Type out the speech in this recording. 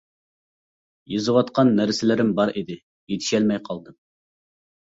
يېزىۋاتقان نەرسىلىرىم بار ئىدى يېتىشەلمەي قالدىم.